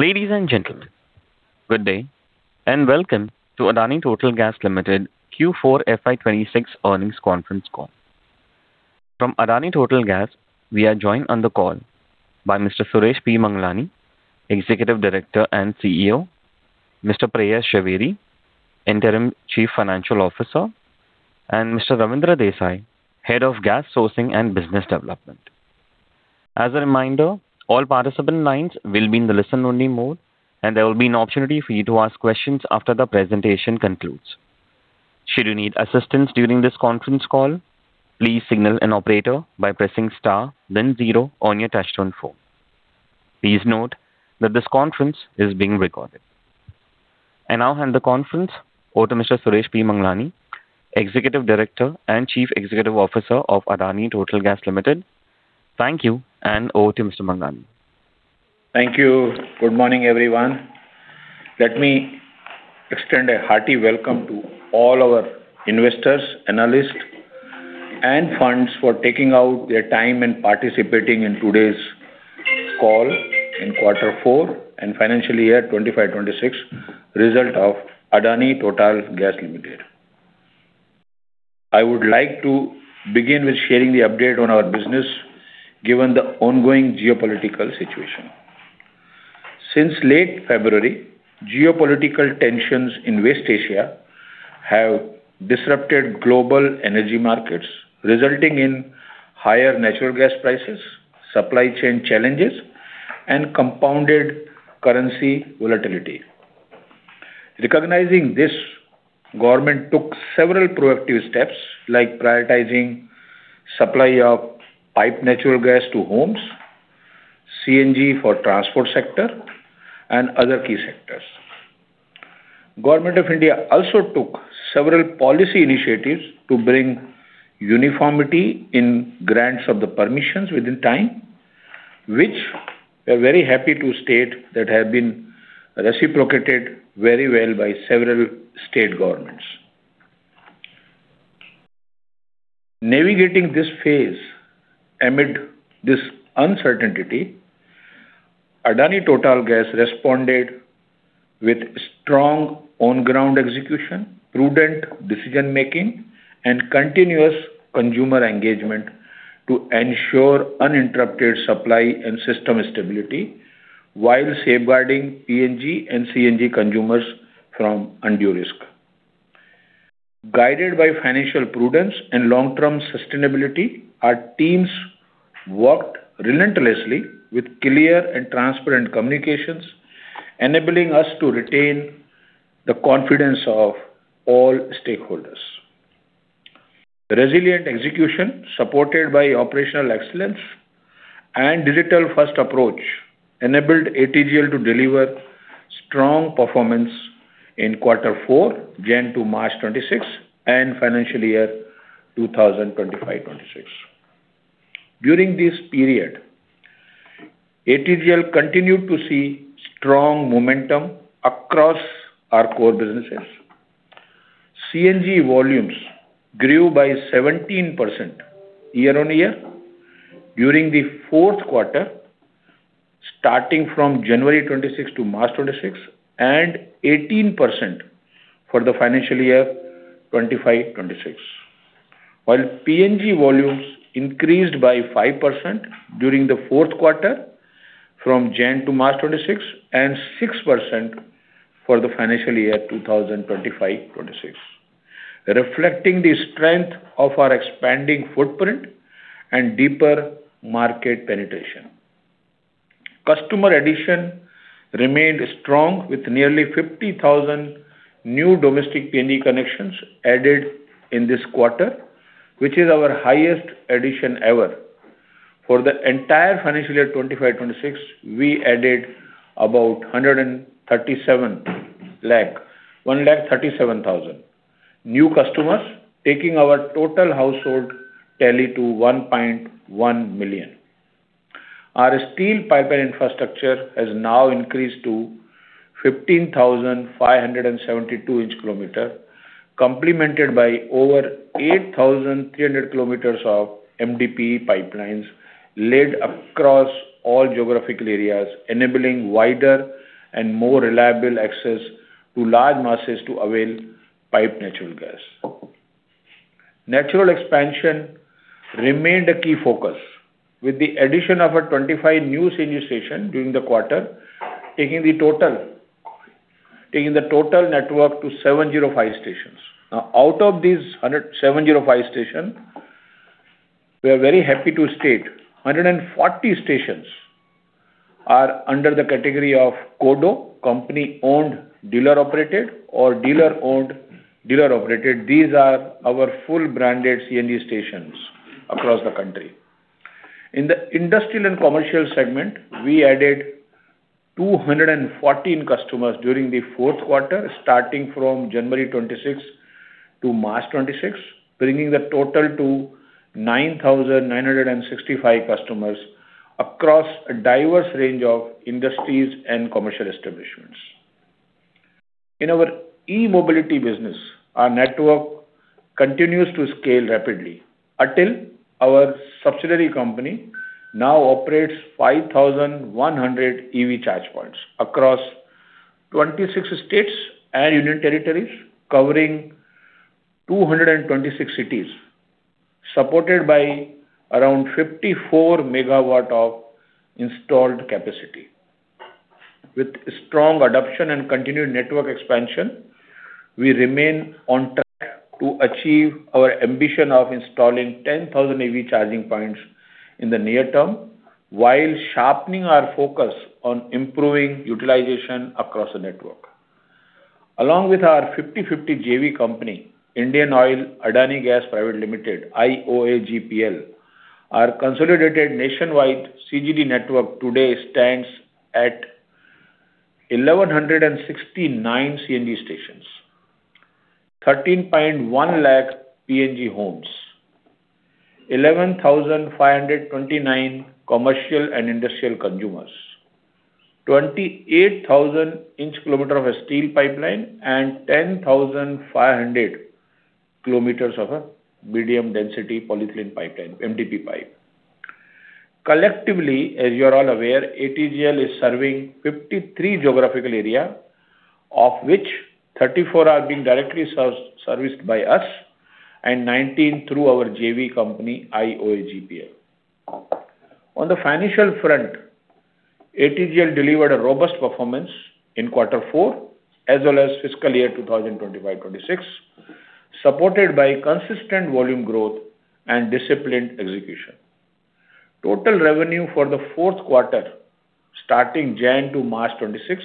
Ladies and gentlemen, good day, and welcome to Adani Total Gas Limited Q4 FY 2026 earnings conference call. From Adani Total Gas, we are joined on the call by Mr. Suresh P. Manglani, Executive Director and CEO, Mr. Preyash Jhaveri, Interim Chief Financial Officer, and Mr. Ravindra Desai, Head of Gas Sourcing and Business Development. As a reminder, all participant lines will be in the listen only mode, and there will be an opportunity for you to ask questions after the presentation concludes. Should you need assistance during this conference call, please signal an operator by pressing star then zero on your touchtone phone. Please note that this conference is being recorded. I now hand the conference over to Mr. Suresh P. Manglani, Executive Director and Chief Executive Officer of Adani Total Gas Limited. Thank you and over to Mr. Manglani. Thank you. Good morning, everyone. Let me extend a hearty welcome to all our investors, analysts, and funds for taking out their time and participating in today's call on quarter four and financial year 2025-2026 results of Adani Total Gas Limited. I would like to begin with sharing the update on our business given the ongoing geopolitical situation. Since late February, geopolitical tensions in West Asia have disrupted global energy markets, resulting in higher natural gas prices, supply chain challenges, and compounded currency volatility. Recognizing this, the government took several proactive steps, like prioritizing supply of piped natural gas to homes, CNG for transport sector, and other key sectors. Government of India also took several policy initiatives to bring uniformity in grants of the permissions within time, which we're very happy to state that have been reciprocated very well by several state governments. Navigating this phase amid this uncertainty, Adani Total Gas responded with strong on-ground execution, prudent decision-making, and continuous consumer engagement to ensure uninterrupted supply and system stability while safeguarding PNG and CNG consumers from undue risk. Guided by financial prudence and long-term sustainability, our teams worked relentlessly with clear and transparent communications, enabling us to retain the confidence of all stakeholders. Resilient execution, supported by operational excellence and digital-first approach, enabled ATGL to deliver strong performance in quarter four, January to March 2026, and financial year 2025-2026. During this period, ATGL continued to see strong momentum across our core businesses. CNG volumes grew by 17% year-on-year during the fourth quarter, starting from January 2026 to March 2026 and 18% for the financial year 2025-2026. While PNG volumes increased by 5% during the fourth quarter from January to March 2026 and 6% for the financial year 2025-2026, reflecting the strength of our expanding footprint and deeper market penetration. Customer addition remained strong with nearly 50,000 new domestic PNG connections added in this quarter, which is our highest addition ever. For the entire financial year 2025-2026, we added about 137,000 new customers, taking our total household tally to 1.1 million. Our steel pipeline infrastructure has now increased to 15,572 inch-km, complemented by over 8,300 km of MDPE pipelines laid across all geographical areas, enabling wider and more reliable access to large masses to avail piped natural gas. Natural expansion remained a key focus with the addition of 25 new CNG stations during the quarter, taking the total network to 705 stations. Out of these 705 stations, we are very happy to state 140 stations are under the category of CODO, company owned dealer operated or dealer owned dealer operated. These are our full branded CNG stations across the country. In the industrial and commercial segment, we added 214 customers during the fourth quarter, starting from January 2026 to March 2026, bringing the total to 9,965 customers across a diverse range of industries and commercial establishments. In our e-mobility business, our network continues to scale rapidly. ATEL, our subsidiary company, now operates 5,100 EV charge points across 26 states and union territories, covering 226 cities, supported by around 54 MW of installed capacity. With strong adoption and continued network expansion, we remain on track to achieve our ambition of installing 10,000 EV charging points in the near term, while sharpening our focus on improving utilization across the network. Along with our 50/50 JV company, Indian Oil Adani Gas Private Limited, IOAGPL, our consolidated nationwide CGD network today stands at 1,169 CNG stations, 13.1 lakh PNG homes, 11,529 commercial and industrial consumers, 28,000 inch kilometer of steel pipeline, and 10,500 kilometers of a Medium Density Polyethylene pipeline, MDPE pipe. Collectively, as you're all aware, ATGL is serving 53 geographical area, of which 34 are being directly serviced by us and 19 through our JV company, IOAGPL. On the financial front, ATGL delivered a robust performance in quarter four as well as fiscal year 2025-2026, supported by consistent volume growth and disciplined execution. Total revenue for the fourth quarter, starting January to March 2026,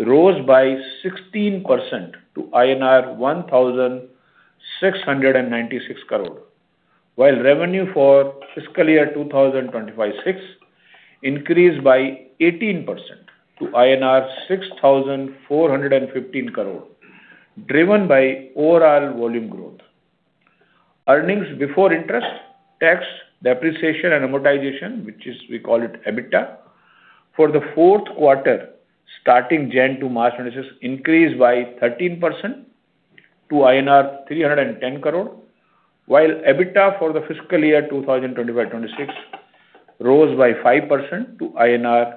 rose by 16% to INR 1,696 crore, while revenue for fiscal year 2025-2026 increased by 18% to INR 6,415 crore, driven by overall volume growth. Earnings before interest, tax, depreciation, and amortization, which is we call it EBITDA, for the fourth quarter starting January to March 2026 increased by 13% to INR 310 crore, while EBITDA for the fiscal year 2025-26 rose by 5% to INR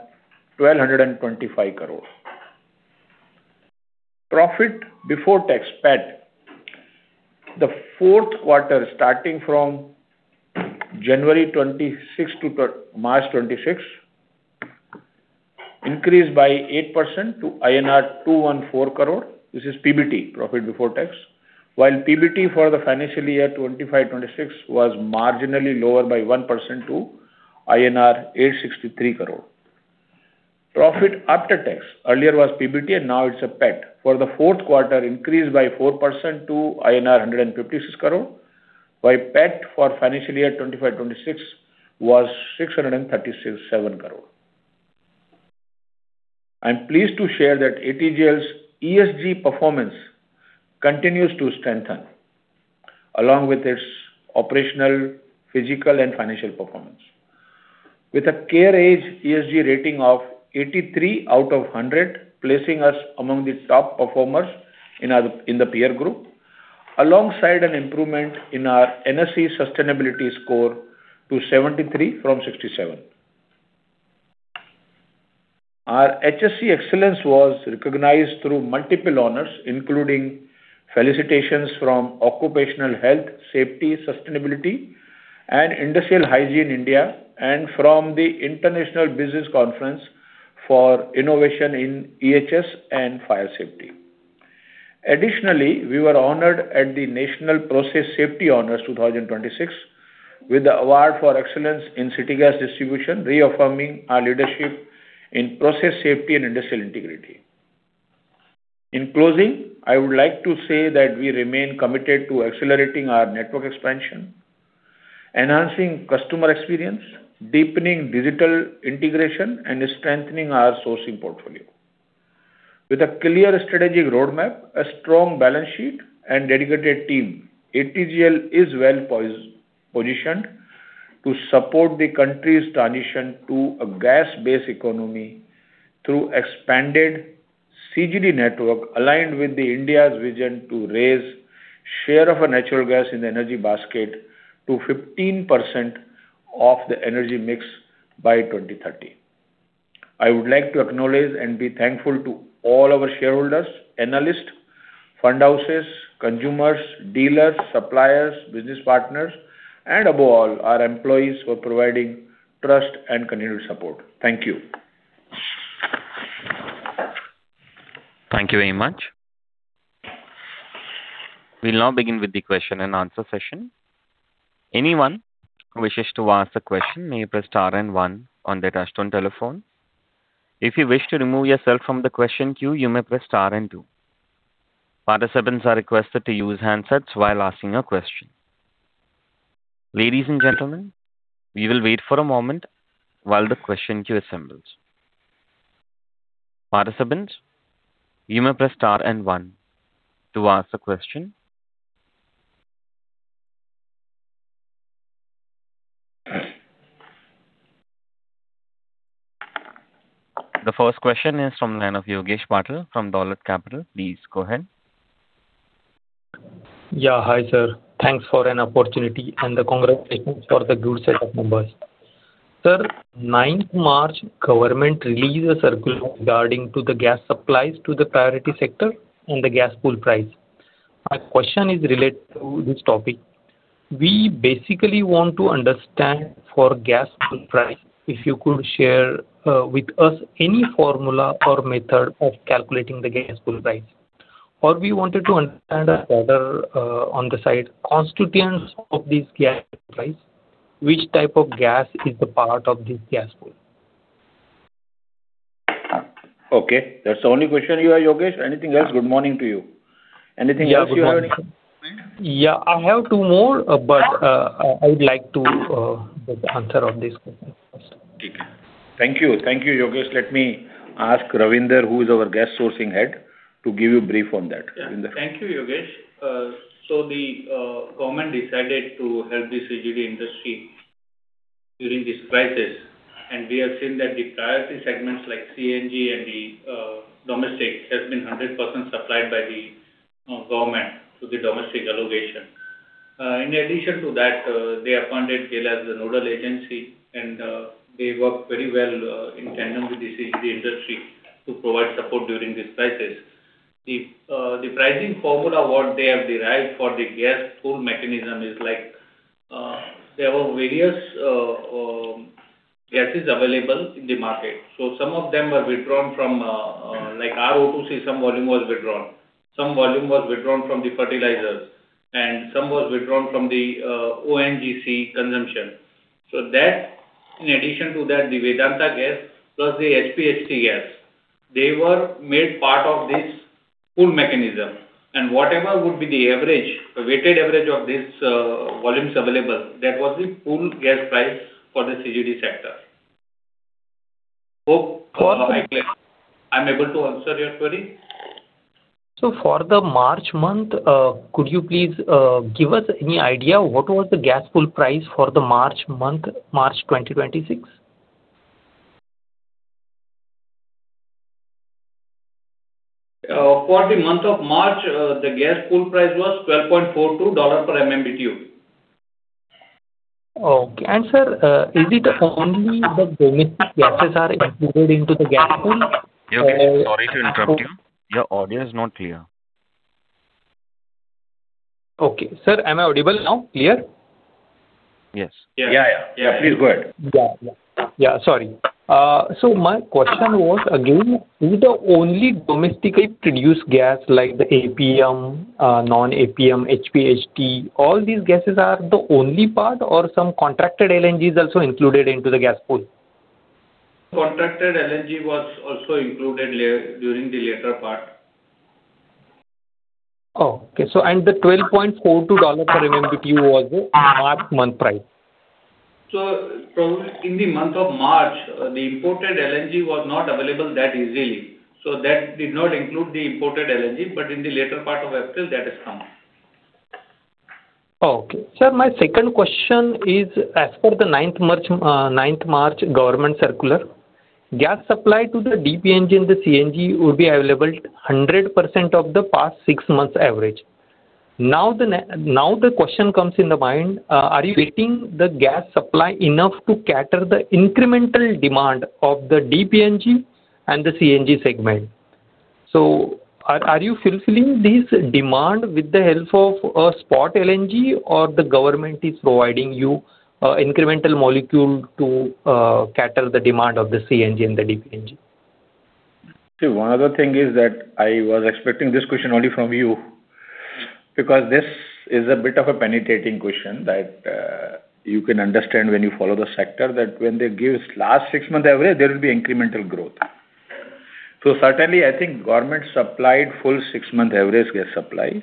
1,225 crore. Profit before tax, PAT, the fourth quarter starting from January 2026 to March 2026 increased by 8% to INR 214 crore. This is PBT, profit before tax. While PBT for the financial year 2025-2026 was marginally lower by 1% to INR 863 crore. Profit after tax, earlier was PBT and now it's a PAT, for the fourth quarter increased by 4% to INR 156 crore, while PAT for financial year 2025-2026 was 637 crore. I'm pleased to share that ATGL's ESG performance continues to strengthen along with its operational, physical, and financial performance. With a CareEdge ESG rating of 83 out of 100, placing us among the top performers in our peer group, alongside an improvement in our NSE sustainability score to 73 from 67. Our HSE excellence was recognized through multiple honors, including felicitations from OHSSAI India, and from the International Business Conference for Innovation in EHS and Fire Safety. Additionally, we were honored at the National Process Safety Honors 2026 with the Award for Excellence in City Gas Distribution, reaffirming our leadership in process safety and industrial integrity. In closing, I would like to say that we remain committed to accelerating our network expansion, enhancing customer experience, deepening digital integration, and strengthening our sourcing portfolio. With a clear strategic roadmap, a strong balance sheet, and dedicated team, ATGL is well positioned to support the country's transition to a gas-based economy through expanded CGD network aligned with India's vision to raise share of a natural gas in the energy basket to 15% of the energy mix by 2030. I would like to acknowledge and be thankful to all our shareholders, analysts, fund houses, consumers, dealers, suppliers, business partners, and above all, our employees for providing trust and continued support. Thank you. Thank you very much. We'll now begin with the question and answer session. Anyone who wishes to ask a question may press star and one on their touch-tone telephone. If you wish to remove yourself from the question queue, you may press star and two. Participants are requested to use handsets while asking a question. Ladies and gentlemen, we will wait for a moment while the question queue assembles. Participants, you may press star and one to ask a question. The first question is from the line of Yogesh Patil from Dolat Capital. Please go ahead. Yeah. Hi, sir. Thanks for an opportunity and the congratulations for the good set of numbers. Sir, ninth March, government released a circular regarding to the gas supplies to the priority sector and the gas pool price. My question is related to this topic. We basically want to understand for gas pool price, if you could share with us any formula or method of calculating the gas pool price. Or we wanted to understand a further on the side, constituents of this gas price, which type of gas is the part of this gas pool. Okay. That's the only question you have, Yogesh? Anything else? Good morning to you. Anything else you have in mind? Yeah. I have two more, but I would like to get the answer of this question first. Thank you. Thank you, Yogesh. Let me ask Ravindra, who is our gas sourcing head, to give you a brief on that. Ravindra? Yeah. Thank you, Yogesh. The government decided to help the CGD industry during this crisis, and we have seen that the priority segments like CNG and the domestic has been 100% supplied by the government to the domestic allocation. In addition to that, they appointed GAIL as the nodal agency, and they worked very well in tandem with the CGD industry to provide support during this crisis. The pricing formula, what they have derived for the gas pool mechanism, is like there were various gases available in the market. So some of them were withdrawn from like O2C, some volume was withdrawn from the ONGC consumption. That, in addition to that, the Vedanta gas plus the HPHT gas, they were made part of this pool mechanism. Whatever would be the average, weighted average of this, volumes available, that was the pool gas price for the CGD sector. For the- I'm able to answer your query. For the March month, could you please give us any idea what was the gas pool price for the March month, March 2026? For the month of March, the gas pool price was $12.42 per MMBtu. Okay. Sir, is it only the domestic gases are included into the gas pool? Yogesh, sorry to interrupt you. Your audio is not clear. Okay. Sir, am I audible now? Clear? Yes. Yeah. Please go ahead. Yeah, sorry. My question was again, is the only domestically produced gas, like the APM, non-APM, HPHT, all these gases are the only part or some contracted LNG is also included into the gas pool? Contracted LNG was also included during the later part. The $12.42 per MMBtu was the March month price. Probably in the month of March, the imported LNG was not available that easily, so that did not include the imported LNG. In the later part of April, that has come. Okay. Sir, my second question is, as per the ninth March government circular, gas supply to the D-PNG and the CNG will be available 100% of the past six months average. Now the question comes in the mind, are you getting the gas supply enough to cater the incremental demand of the D-PNG and the CNG segment? Are you fulfilling this demand with the help of a spot LNG or the government is providing you incremental molecule to cater the demand of the CNG and the D-PNG? See, one other thing is that I was expecting this question only from you, because this is a bit of a penetrating question that you can understand when you follow the sector, that when they give last six month average, there will be incremental growth. Certainly, I think government supplied full six month average gas supply.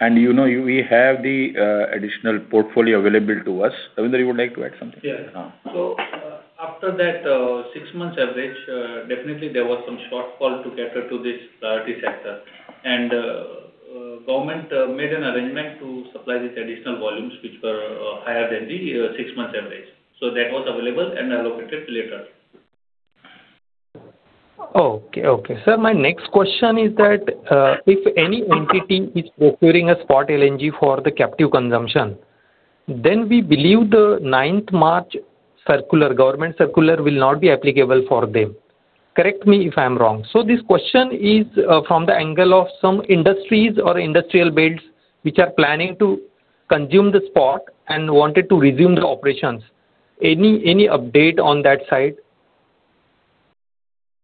You know, we have the additional portfolio available to us. Ravindra, you would like to add something? Yeah. Uh. After that, six months average, definitely there was some shortfall to cater to this priority sector. Government made an arrangement to supply these additional volumes which were higher than the six months average. That was available and allocated later. Okay. Sir, my next question is that if any entity is procuring a spot LNG for the captive consumption, then we believe the ninth March circular, government circular will not be applicable for them. Correct me if I'm wrong. This question is from the angle of some industries or industrial builds which are planning to consume the spot and wanted to resume their operations. Any update on that side?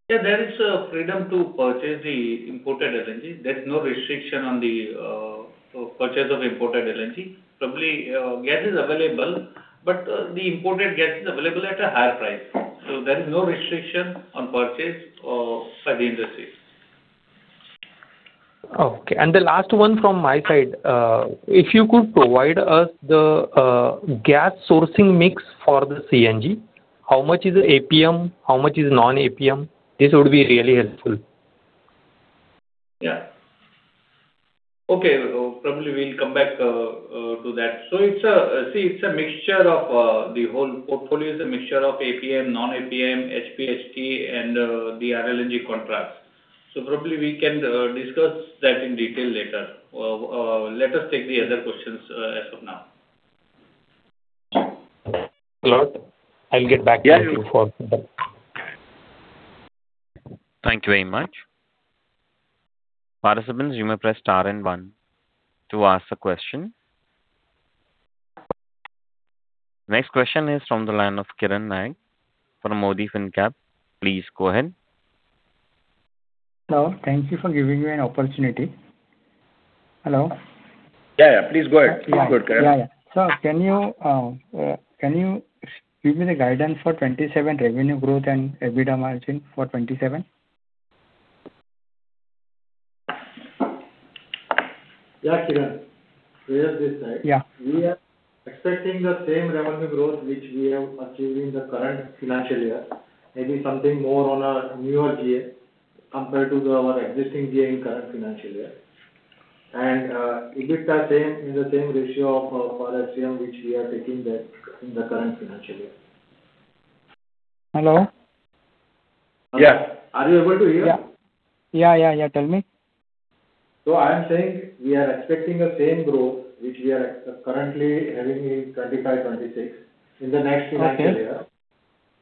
Yeah. There is freedom to purchase the imported LNG. There's no restriction on the purchase of imported LNG. Probably gas is available, but the imported gas is available at a higher price. There is no restriction on purchase of such industries. Okay. The last one from my side. If you could provide us the gas sourcing mix for the CNG, how much is APM, how much is non-APM? This would be really helpful. Yeah. Okay, probably we'll come back to that. It's a mixture of the whole portfolio is a mixture of APM, non-APM, SPHD and the RLNG contracts. Probably we can discuss that in detail later. Let us take the other questions as of now. Hello. I'll get back to you for that. Thank you very much. Participants, you may press star and one to ask a question. Next question is from the line of Kiran Nayak from Mody Fincap. Please go ahead. Hello. Thank you for giving me an opportunity. Hello? Yeah, yeah. Please go ahead, Kiran. Yeah, yeah. Can you give me the guidance for 2027 revenue growth and EBITDA margin for 2027? Yeah, Kiran. Here's the slide. Yeah. We are expecting the same revenue growth which we have achieved in the current financial year. Maybe something more on our newer GA compared to our existing GA in current financial year. EBITDA same, in the same ratio of, for FCM, which we are taking that in the current financial year. Hello? Yeah. Are you able to hear? Yeah. Tell me. I am saying we are expecting the same growth which we are currently having in 2025, 2026 in the next financial year.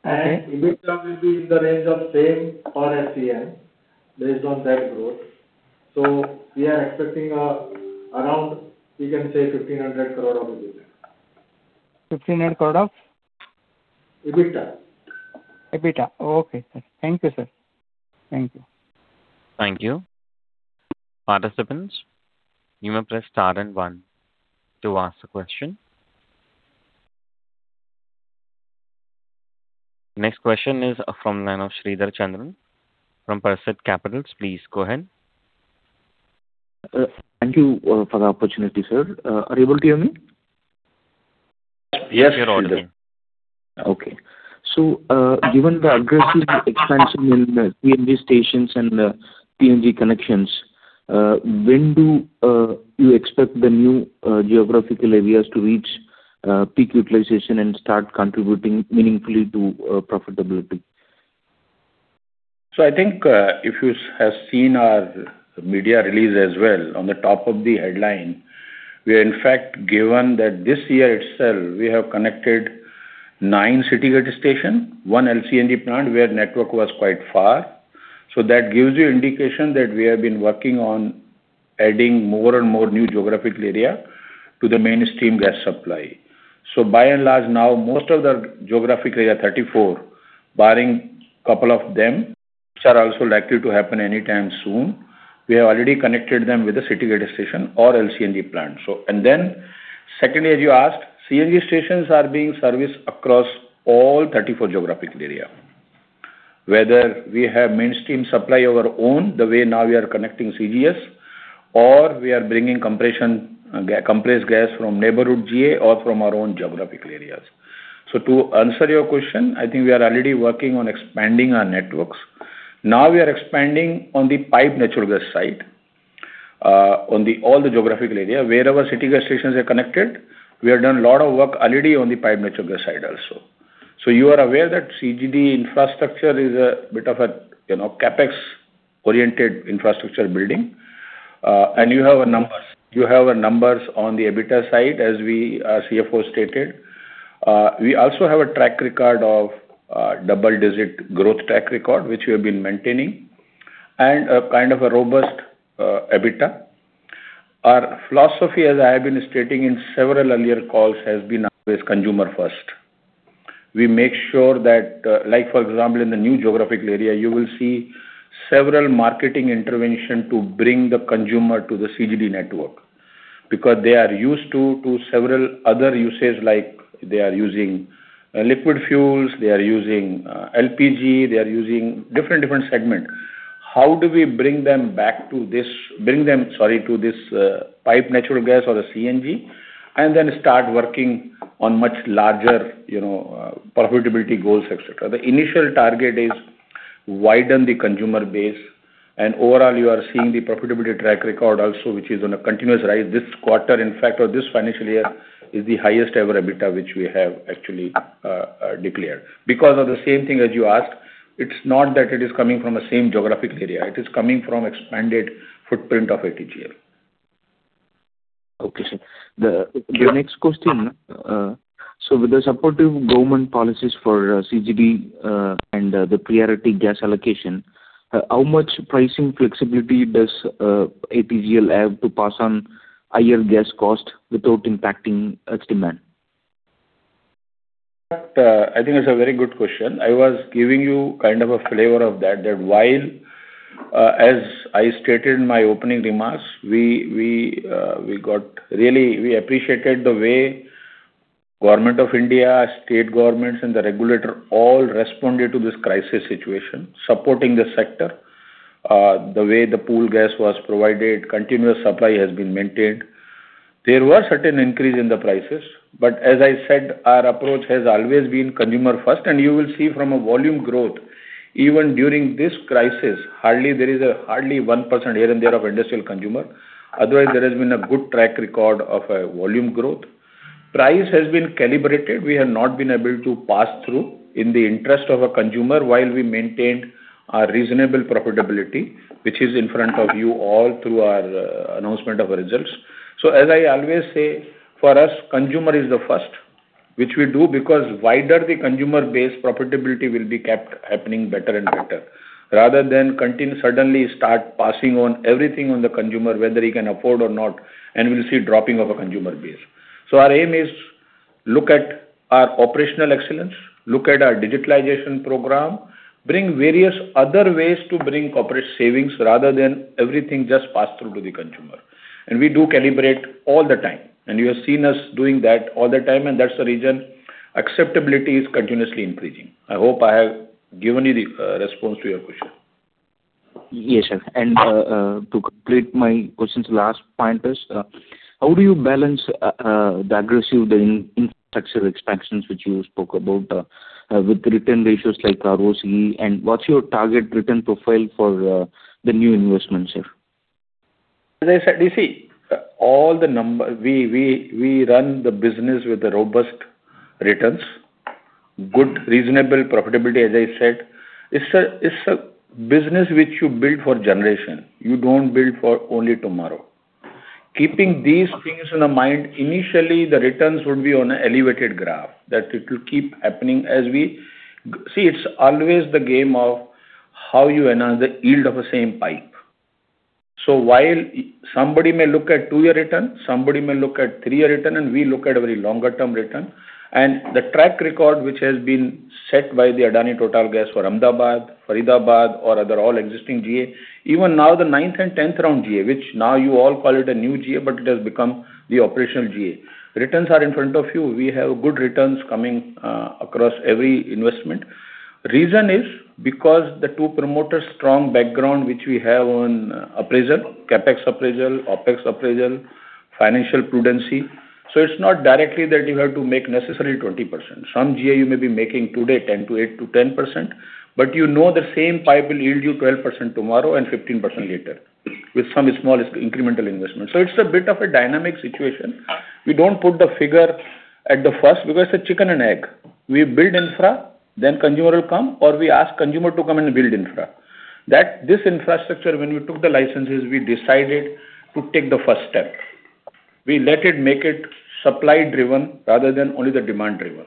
Okay. EBITDA will be in the range of same or FCM based on that growth. We are expecting around, we can say 1,500 crore of EBITDA. 1,500 crore of? EBITDA. EBITDA. Okay. Thank you, sir. Thank you. Thank you. Participants, you may press star and one to ask a question. Next question is from the line of Sridhar Chandran from Paraseth Capitals. Please go ahead. Thank you for the opportunity, sir. Are you able to hear me? Yes, we hear. Given the aggressive expansion in the PNG stations and the PNG connections, when do you expect the new geographical areas to reach peak utilization and start contributing meaningfully to profitability? I think, if you has seen our media release as well, on the top of the headline, we are in fact given that this year itself we have connected nine city gate station, one LCNG plant, where network was quite far. That gives you indication that we have been working on adding more and more new geographical area to the mainstream gas supply. By and large now, most of the geographic area, 34, barring couple of them, which are also likely to happen anytime soon, we have already connected them with the city gate station or LCNG plant. Then secondly, as you asked, CNG stations are being serviced across all 34 geographical area. Whether we have mainstream supply of our own, the way now we are connecting CGS, or we are bringing compressed gas from neighborhood GA or from our own geographical areas. To answer your question, I think we are already working on expanding our networks. Now we are expanding on the pipe natural gas side, on all the geographical area. Wherever city gas stations are connected, we have done a lot of work already on the pipe natural gas side also. You are aware that CGD infrastructure is a bit of a, you know, CapEx oriented infrastructure building, and you have numbers on the EBITDA side, as our CFO stated. We also have a track record of double-digit growth track record, which we have been maintaining, and a kind of a robust EBITDA. Our philosophy, as I have been stating in several earlier calls, has been always consumer first. We make sure that, like for example, in the new geographical area, you will see several marketing intervention to bring the consumer to the CGD network, because they are used to several other usage like they are using liquid fuels, they are using LPG, they are using different segment. How do we bring them to this piped natural gas or the CNG, and then start working on much larger, you know, profitability goals, et cetera. The initial target is widen the consumer base. Overall, you are seeing the profitability track record also, which is on a continuous rise. This quarter, in fact, or this financial year is the highest ever EBITDA, which we have actually declared. Because of the same thing as you asked, it's not that it is coming from the same geographic area. It is coming from expanded footprint of ATGL. Okay, sir. The next question with the supportive government policies for CGD and the priority gas allocation, how much pricing flexibility does ATGL have to pass on higher gas cost without impacting its demand? I think it's a very good question. I was giving you kind of a flavor of that while, as I stated in my opening remarks, we got really. We appreciated the way Government of India, state governments and the regulator all responded to this crisis situation, supporting the sector. The way the pool gas was provided, continuous supply has been maintained. There were certain increase in the prices, but as I said, our approach has always been consumer first, and you will see from a volume growth, even during this crisis, hardly there is a 1% here and there of industrial consumer. Otherwise, there has been a good track record of volume growth. Price has been calibrated. We have not been able to pass through in the interest of a consumer while we maintained our reasonable profitability, which is in front of you all through our announcement of results. As I always say, for us, consumer is the first, which we do because wider the consumer base profitability will be kept happening better and better, rather than suddenly start passing on everything on the consumer, whether he can afford or not, and we'll see dropping of a consumer base. Our aim is look at our operational excellence, look at our digitalization program, bring various other ways to bring corporate savings rather than everything just pass through to the consumer. We do calibrate all the time, and you have seen us doing that all the time, and that's the reason acceptability is continuously increasing. I hope I have given you the response to your question. Yes, sir. To complete my questions, last point is, how do you balance the aggressive infrastructure expansions which you spoke about with return ratios like ROCE, and what's your target return profile for the new investments, sir? As I said, you see, all the numbers. We run the business with robust returns, good, reasonable profitability, as I said. It's a business which you build for generation. You don't build for only tomorrow. Keeping these things in the mind, initially, the returns would be on an elevated graph, that it will keep happening as we see. It's always the game of how you enhance the yield of the same pipe. So while somebody may look at two-year return, somebody may look at three-year return, and we look at a very longer term return. The track record which has been set by the Adani Total Gas for Ahmedabad, Faridabad or other all existing GA, even now the ninth and tenth round GA, which now you all call it a new GA, but it has become the operational GA. Returns are in front of you. We have good returns coming across every investment. Reason is because the two promoters' strong background, which we have on appraisal, CapEx appraisal, OpEx appraisal, financial prudence. It's not directly that you have to make necessarily 20%. Some GA you may be making today 8%-10%, but you know the same pipe will yield you 12% tomorrow and 15% later with some small incremental investment. It's a bit of a dynamic situation. We don't put the figure at the first because it's a chicken and egg. We build infra, then consumer will come, or we ask consumer to come and build infra. This infrastructure, when we took the licenses, we decided to take the first step. We made it supply-driven rather than only the demand-driven.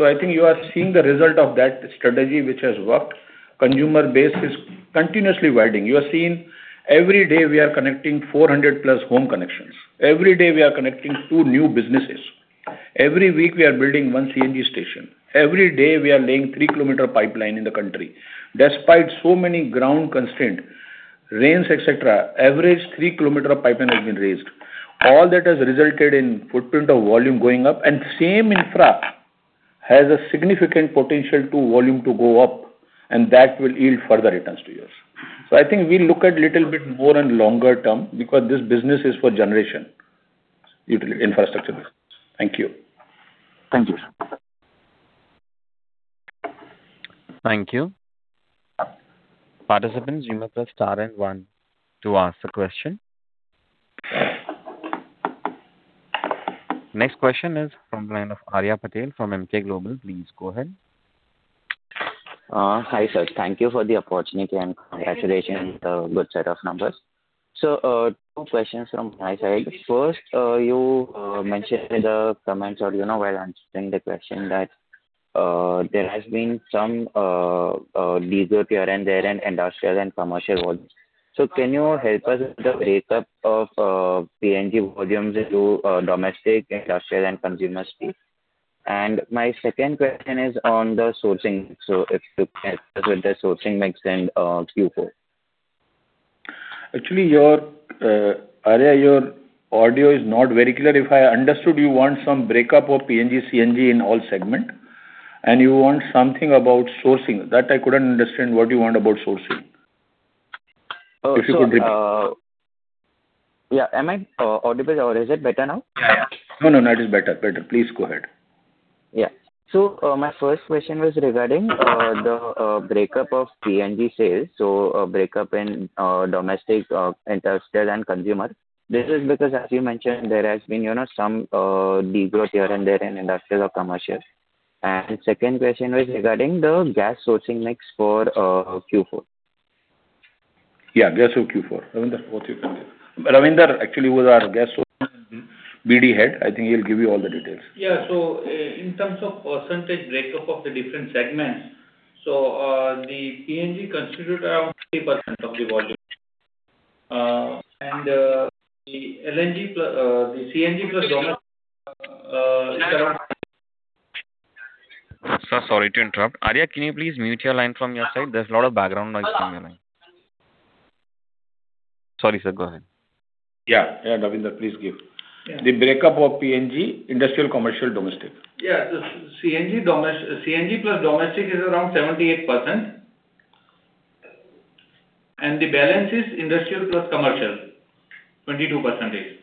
I think you are seeing the result of that strategy, which has worked. Consumer base is continuously widening. You have seen every day we are connecting 400+ home connections. Every day we are connecting two new businesses. Every week we are building one CNG station. Every day we are laying three kilometer pipeline in the country. Despite so many ground constraint, rains, et cetera, average three kilometer of pipeline has been laid. All that has resulted in footprint of volume going up, and same infra has a significant potential to volume to go up, and that will yield further returns to you. I think we look at little bit more and longer term because this business is for generations, utility infrastructure business. Thank you. Thank you, sir. Thank you. Participants, you may press star and one to ask the question. Next question is from the line of Arya Patel from Emkay Global. Please go ahead. Hi, sir. Thank you for the opportunity and congratulations. Good set of numbers. Two questions from my side. First, you mentioned in the comments or, you know, while answering the question that there has been some leakage here and there in industrial and commercial world. Can you help us with the breakup of PNG volumes into domestic, industrial and commercial space? My second question is on the sourcing. If you can help us with the sourcing mix in Q4. Actually, your, Arya, your audio is not very clear. If I understood, you want some breakup of PNG, CNG in all segment, and you want something about sourcing. That I couldn't understand. What do you want about sourcing? If you could repeat. Oh, yeah. Am I audible or is it better now? Yeah. No, no, now it is better. Better. Please go ahead. Yeah. My first question was regarding the breakup of PNG sales in domestic, industrial and consumer. This is because as you mentioned, there has been, you know, some de-growth here and there in industrial or commercial. Second question was regarding the gas sourcing mix for Q4. Yeah, gas of Q4. Ravindra, what's your comment? Ravindra, actually, who is our gas sourcing BD head. I think he'll give you all the details. Yeah. In terms of percentage breakup of the different segments. The PNG constitute around 3% of the volume, and the LNG+ the CNG+ dom Sir, sorry to interrupt. Arya, can you please mute your line from your side? There's a lot of background noise from your line. Sorry, sir. Go ahead. Yeah. Ravinder, please give. Yeah. The breakup of PNG, industrial, commercial, domestic. Yeah. The CNG+ domestic is around 78%. The balance is industrial+ commercial, 22%.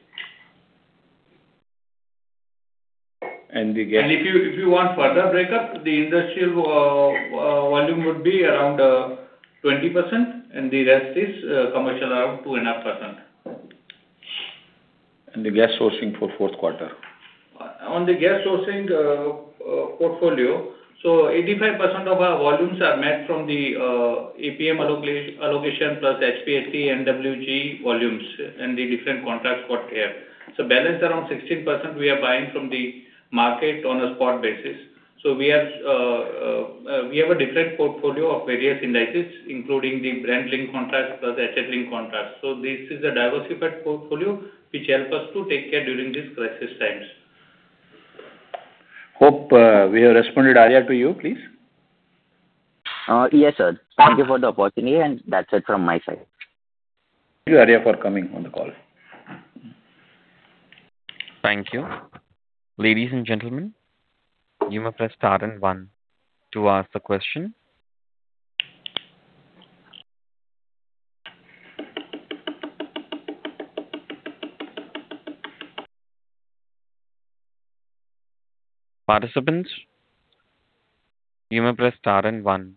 And the gas- If you want further breakup, the industrial volume would be around 20% and the rest is commercial around 2.5%. The gas sourcing for fourth quarter. On the gas sourcing portfolio, 85% of our volumes are met from the APM allocation plus HPHT volumes and the different contracts for gas. Balance around 16% we are buying from the market on a spot basis. We have a different portfolio of various indices, including the Brent-linked contracts plus the HH-linked contracts. This is a diversified portfolio which help us to take care during these crisis times. I hope we have responded, Arya, to you, please. Yes, sir. Thank you for the opportunity, and that's it from my side. Thank you, Arya, for coming on the call. Thank you. Ladies and gentlemen, you may press star and one to ask the question. Participants, you may press star and one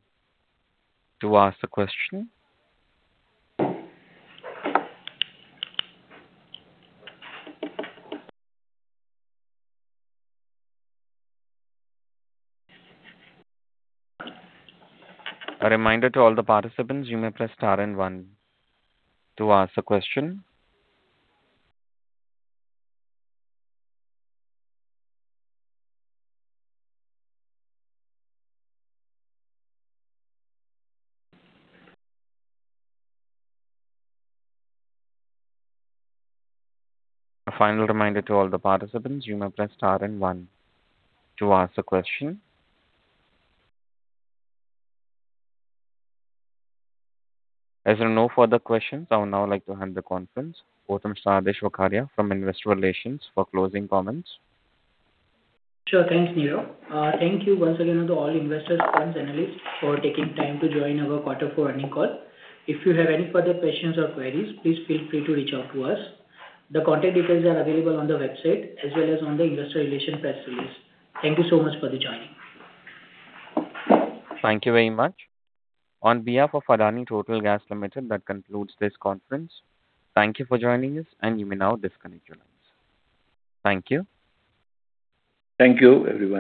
to ask the question. Reminder to all participants, you may press star and one to ask the question. As there are no further questions, I would now like to hand the conference over to Mr. Adish Vakharia from Investor Relations for closing comments. Sure. Thanks, Nirav. Thank you once again to all investors and analysts for taking time to join our quarter four earnings call. If you have any further questions or queries, please feel free to reach out to us. The contact details are available on the website as well as on the investor relations press release. Thank you so much for joining. Thank you very much. On behalf of Adani Total Gas Limited, that concludes this conference. Thank you for joining us, and you may now disconnect your lines. Thank you. Thank you, everyone.